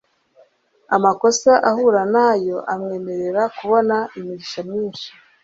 amakosa ahura nayo amwemerera kubona imigisha myinshi